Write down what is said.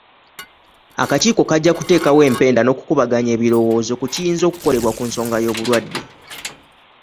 Akakiiko kajja kuteekawo empenda n'okukubaganya ebirowoozo ku kiyinza okukolebwa ku nsonga y'obulwadde.